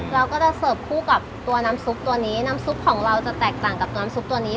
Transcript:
เราก็จะเสิร์ฟคู่กับตัวน้ำซุปตัวนี้น้ำซุปของเราจะแตกต่างกับน้ำซุปตัวนี้